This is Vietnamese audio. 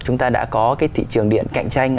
chúng ta đã có cái thị trường điện cạnh tranh